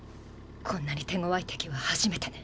こんなに手ごわいてきははじめてね。